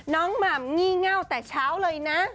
หม่ำงี่เง่าแต่เช้าเลยนะ